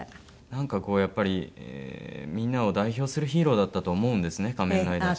なんかこうやっぱりみんなを代表するヒーローだったと思うんですね仮面ライダーって。